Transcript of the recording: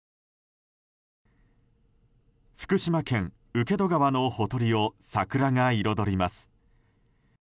福島県請戸川のほとりを桜が彩ります。